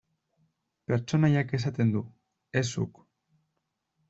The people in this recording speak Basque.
Pertsonaiak esaten du, ez zuk.